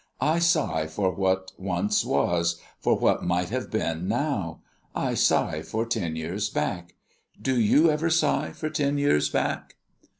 I sigh for what once was, for what might have been now. I sigh for Ten Years Back. Do you ever sigh for Ten Years Back?"